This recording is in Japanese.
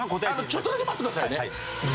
ちょっとだけ待ってくださいね。